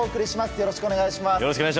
よろしくお願いします。